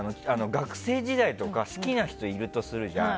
学生時代とか好きな人いるとするじゃん。